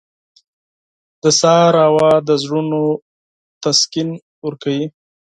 • د سهار هوا د زړونو تسکین ورکوي.